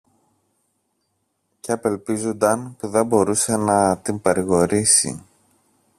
και απελπίζουνταν που δεν μπορούσε να την παρηγορήσει.